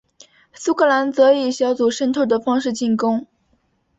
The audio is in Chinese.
苏格兰则以小组渗透的方式进攻。